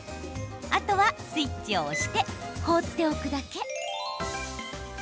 あとは、スイッチを押して放っておくだけ。